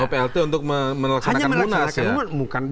plt untuk melaksanakan munas ya